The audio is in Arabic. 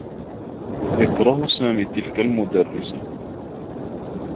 يكره سامي تلك المدرّسة.